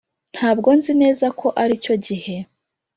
ntabwo nzi neza ko aricyo gihe.